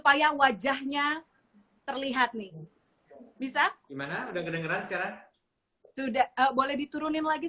bayangkan saya masih bisa ingin berpikir di safety area